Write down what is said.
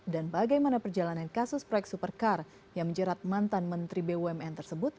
dan bagaimana perjalanan kasus proyek supercar yang menjerat mantan menteri bumn tersebut